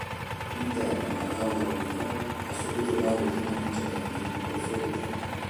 L'interno, ad aula unica, ha subito vari rimaneggiamenti nel corso del tempo.